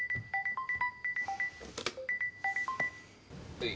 はい。